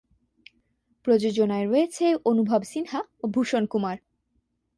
প্রযোজনায় রয়েছে অনুভব সিনহা ও ভূষণ কুমার।